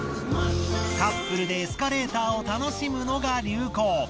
カップルでエスカレーターを楽しむのが流行。